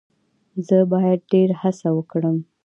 زه باید ډیر هڅه وکړم.